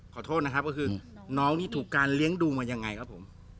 ขอโทษนะครับก็คือน้องนี่ถูกการเลี้ยงดูมายังไงครับผม